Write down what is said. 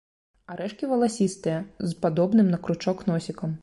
Арэшкі валасістыя, з падобным на кручок носікам.